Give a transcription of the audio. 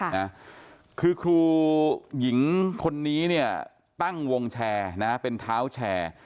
นะคือครูหญิงคนนี้เนี่ยตั้งวงแชร์นะเป็นเท้าแชร์